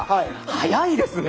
早いですね。